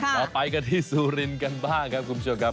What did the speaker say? เราไปกันที่ซูรินก์กันบ้างครับกุมชวนครับ